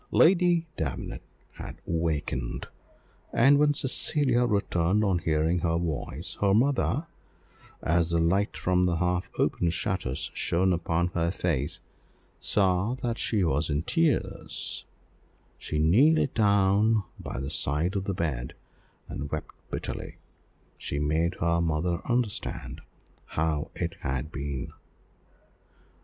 Lady Davenant had awakened, and when Cecilia returned on hearing her voice, her mother, as the light from the half open shutters shone upon her face, saw that she was in tears; she kneeled down by the side of the bed, and wept bitterly; she made her mother understand how it had been.